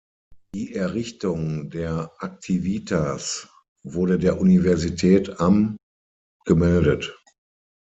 Die Errichtung der Aktivitas wurde der Universität am gemeldet.